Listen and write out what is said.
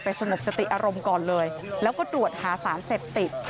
สงบสติอารมณ์ก่อนเลยแล้วก็ตรวจหาสารเสพติด